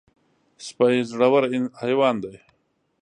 سپي زړور حیوان دی.